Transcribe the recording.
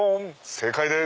正解です。